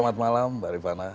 selamat malam mbak rifana